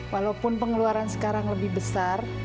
walaupun pengeluaran sekarang lebih besar